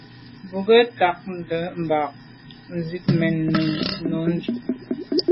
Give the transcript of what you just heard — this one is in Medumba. Bo nke ntagte mba zit mèn no ndù.